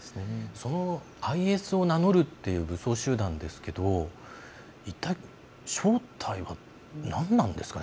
そのＩＳを名乗るという武装集団ですけど一体、正体はなんなんですかね。